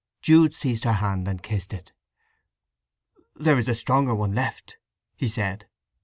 Jude seized her hand and kissed it. "There is a stronger one left!" he said.